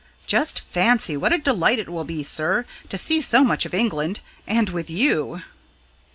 "Just fancy what a delight it will be, sir, to see so much of England and with you!"